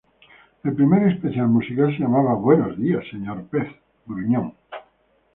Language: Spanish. El primer especial musical se llama ¡Buenos Días, Sr. Pez Gruñón!